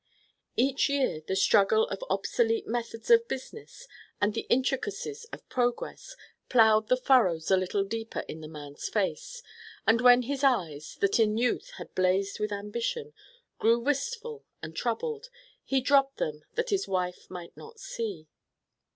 Each year the struggle of obsolete methods of business and the intricacies of progress plowed the furrows a little deeper in the man's face, and when his eyes, that in youth had blazed with ambition, grew wistful and troubled, he dropped them that his wife might not see.